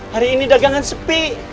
hari ini dagangan sepi